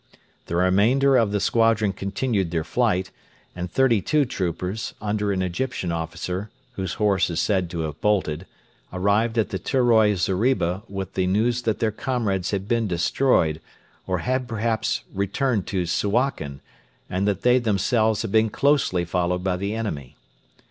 The remainder of the squadron continued their flight, and thirty two troopers, under an Egyptian officer (whose horse is said to have bolted), arrived at the Teroi zeriba with the news that their comrades had been destroyed, or had perhaps 'returned to Suakin,' and that they themselves had been closely followed by the enemy.